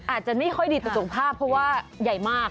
อาจจะไม่ค่อยดีต่อสุขภาพเพราะว่าใหญ่มาก